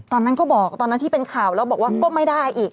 ตอนนั้นก็บอกตอนนั้นที่เป็นข่าวแล้วบอกว่าก็ไม่ได้อีก